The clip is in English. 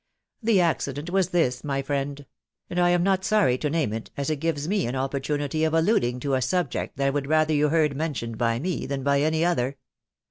The accident was this, my friend; and I am not sorry to name it, as it gives me an opportunity of alluding to a subject that I would rather you heard mentioned by me than by any other.